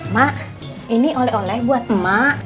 mak ini oleh oleh buat emak